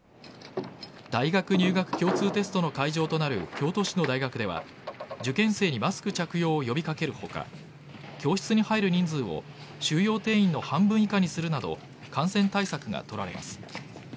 大学入学共通テストの会場となる京都市の大学では受験生にマスク着用を呼び掛ける他教室に入る人数を収容定員の半分以下にするなど感染対策が取られます。